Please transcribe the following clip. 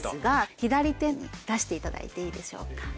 左手に出して頂いていいでしょうか？